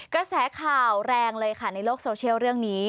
กระแสข่าวแรงเลยค่ะในโลกโซเชียลเรื่องนี้